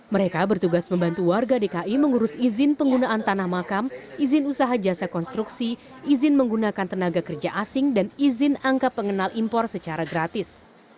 mereka bertugas membantu warga dki mengurus izin penggunaan tanah makam izin usaha jasa konstruksi izin menggunakan tenaga kerja asing dan izin angka pengenal impor secara gratis